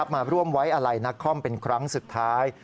มาร่วมไว้อะไรนักคอมเป็นครั้งสุดท้าย